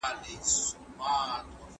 موږ د جمع عمليه زده کوو.